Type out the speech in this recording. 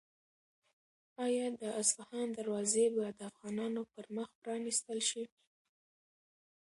آیا د اصفهان دروازې به د افغانانو پر مخ پرانیستل شي؟